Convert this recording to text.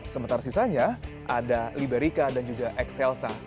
sementara sisanya ada liberica dan juga excelsa